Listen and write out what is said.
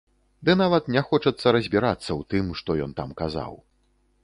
Ды нават не хочацца разбірацца ў тым, што ён там казаў.